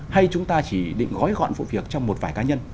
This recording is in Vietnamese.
hay chúng ta chỉ định gói gọn vụ việc cho một vài cá nhân